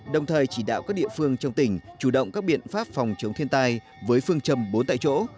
đồng thời chỉ đạo các địa phương trong tỉnh chủ động các biện pháp phòng chống thiên tai với phương châm bốn tại chỗ